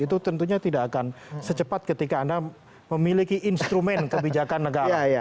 itu tentunya tidak akan secepat ketika anda memiliki instrumen kebijakan negara